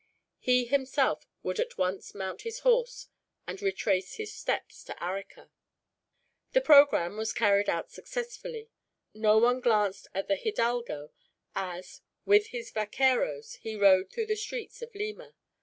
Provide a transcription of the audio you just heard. He himself would at once mount his horse, and retrace his steps to Arica. The programme was carried out successfully. No one glanced at the hidalgo as, with his vaqueros, he rode through the streets of Lima.